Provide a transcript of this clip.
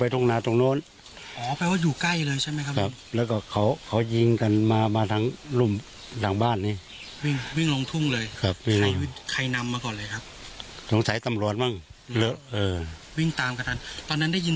ตอนนั้นได้ยินเสียงปืนไล่หลังกันมากี่นัดครับ